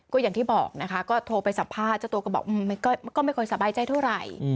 ก็อย่างที่บอกนะคะก็โทรไปสัมภาษณ์เจ้าตัวก็บอกก็ไม่ค่อยสบายใจเท่าไหร่